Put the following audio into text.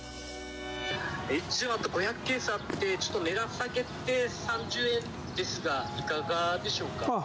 一応あと５００ケースあって、ちょっと値段下げて３０円ですがいかがでしょうか。